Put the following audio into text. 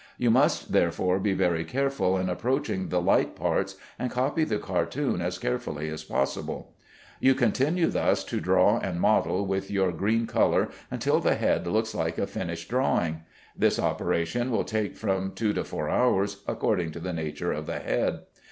You must therefore be very careful in approaching the light parts, and copy the cartoon as carefully as possible. You continue thus to draw and model with your green color until the head looks like a finished drawing. This operation will take from two to four hours, according to the nature of the head.